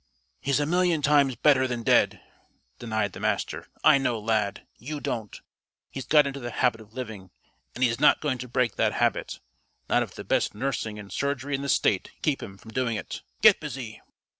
"He's a million times better than dead," denied the Master. "I know Lad. You don't. He's got into the habit of living, and he's not going to break that habit, not if the best nursing and surgery in the State can keep him from doing it. Get busy!"